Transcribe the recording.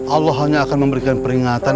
allah hanya akan memberikan peringatan